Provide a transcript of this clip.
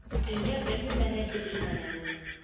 Өйгә бер нәмә лә бирелмәгән ине